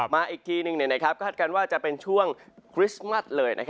มาอีกทีหนึ่งคาดการณ์ว่าจะเป็นช่วงคริสต์มัสเลย